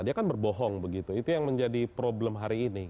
dia kan berbohong begitu itu yang menjadi problem hari ini